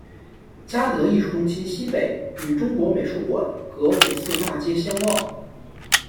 嘉德艺术中心西北与中国美术馆隔五四大街相望。